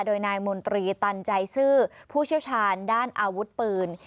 โดยนายมนตรีตันใจซื่อผู้เชี่ยวชาญด้านอาวุธปืน